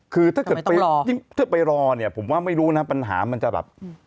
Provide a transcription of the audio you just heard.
คือถ้าเกิดไปยิ่งถ้าไปรอเนี่ยผมว่าไม่รู้นะปัญหามันจะแบบ